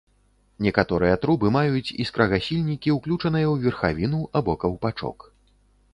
Некаторыя трубы маюць іскрагасільнікі, ўключаныя ў верхавіну або каўпачок.